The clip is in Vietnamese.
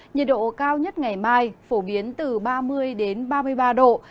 nhiệt độ cao nhất ngày mai phổ biến từ ba mươi đến ba mươi ba độ